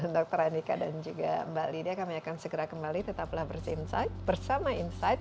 dr andika dan juga mbak lydia kami akan segera kembali tetaplah bersama insight